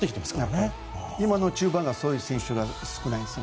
今の中盤そういう選手が少ないです。